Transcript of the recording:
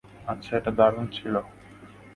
আচ্ছা, এটা দারুণ ছিল।